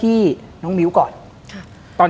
ดิงกระพวน